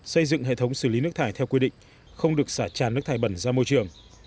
xây dựng hệ thống xử lý nước thải theo quy định không được xả tràn nước thải bẩn ra môi trường